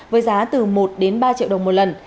với giá từ một ba triệu đồng một lần